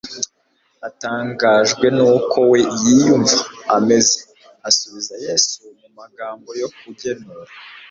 Atangajwe nuko we yiyumva ameze, asubiza Yesu mu magambo yo kugenura